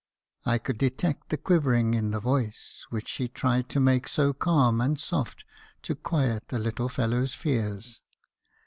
* I could detect the quivering in the voice, which she tried to make so calm and soft to quiet the little fellow's fears.